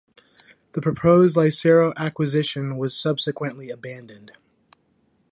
The proposed Lyreco acquisition was subsequently abandoned.